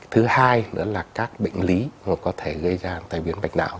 thứ hai nữa là các bệnh lý mà có thể gây ra tại biến bệnh não